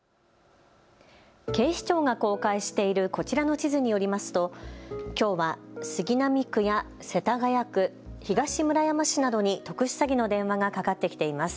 警視庁が公開しているこちらの地図によりますときょうは杉並区や世田谷区、東村山市などに特殊詐欺の電話がかかってきています。